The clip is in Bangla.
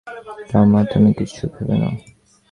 তা মা, তুমি কিছু ভেবো না।